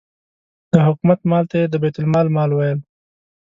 د حکومت مال ته یې د بیت المال مال ویل.